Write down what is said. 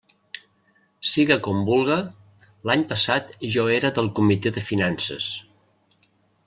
Siga com vulga, l'any passat jo era del Comitè de Finances.